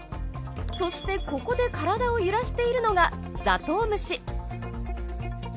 そしてここで体を揺らしているのがザトウムシ。